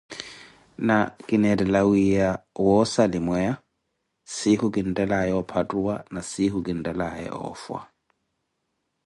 Na ki neettela wiiya wa osalimweya, siikhu kinttelaaye opattikana na siikho kintellaya oofwa.